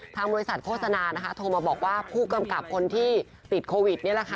บริษัทโฆษณานะคะโทรมาบอกว่าผู้กำกับคนที่ติดโควิดนี่แหละค่ะ